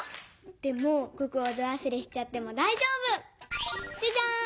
でも九九をどわすれしちゃってもだいじょうぶ！じゃじゃん！